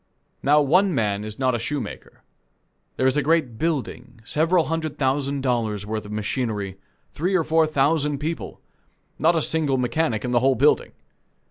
Now one man is not a shoemaker. There is a great building several hundred thousand dollars' worth of machinery, three or four thousand people not a single mechanic in the whole building.